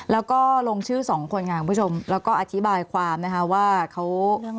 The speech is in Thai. แล้วก็ลงชื่อสองคนค่ะคุณผู้ชมแล้วก็อธิบายความนะคะว่าเขา